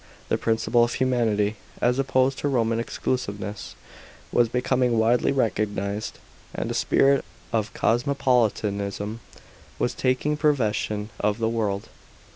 The principle of humanity, as opposed to Eoman exclusiveness, was becoming widely recognised ; and a spirit cf cosmopolitanism was taking possession of the world.